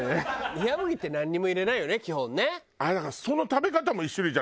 冷麦ってなんにも入れないよね基本ね。